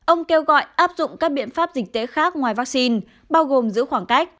ông kêu gọi áp dụng các biện pháp dịch tễ khác ngoài vaccine bao gồm giữ khoảng cách